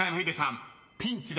ピンチです］